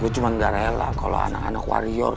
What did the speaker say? gue cuma gak rela kalau anak anak warrior